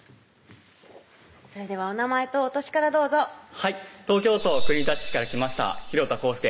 それではお名前とお歳からどうぞはい東京都国立市から来ました廣田光祐